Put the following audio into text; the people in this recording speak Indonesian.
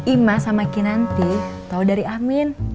imas sama kinanti tahu dari amin